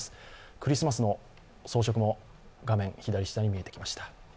クリスマスの装飾も画面左下に見えてきました。